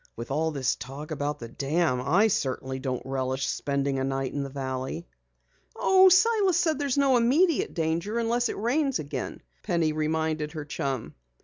"With all this talk about the dam, I certainly don't relish spending a night in the valley." "Oh, Silas said there was no immediate danger unless it rains again," Penny reminded her chum.